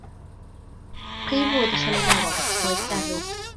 Prif fwyd y siani flewog ydy coed derw.